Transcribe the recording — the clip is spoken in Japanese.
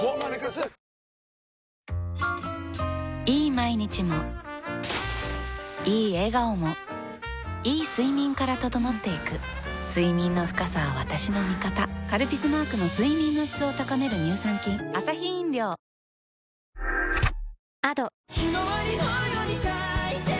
毎日もいい笑顔もいい睡眠から整っていく睡眠の深さは私の味方「カルピス」マークの睡眠の質を高める乳酸菌チチンペイペイソフトバンク！